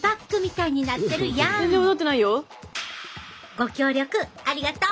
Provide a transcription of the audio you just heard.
ご協力ありがとう。